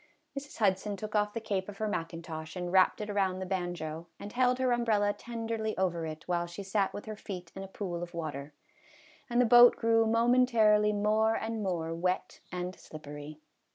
Mrs. Hudson took off the cape of her mackintosh and wrapped it around the banjo, and held her umbrella tenderly over it while she sat with her feet in a pool of water, and the boat grew momentarily more and more wet and slippery.